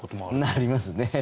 なりますね。